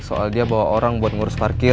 soal dia bawa orang buat ngurus parkir